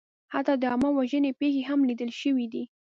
حتی د عامهوژنې پېښې هم لیدل شوې دي.